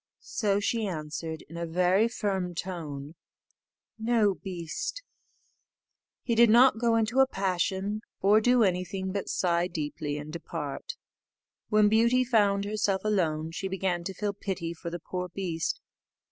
So she answered, in a very firm tone, "No, beast." He did not go into a passion, or do anything but sigh deeply, and depart. When Beauty found herself alone, she began to feel pity for the poor beast.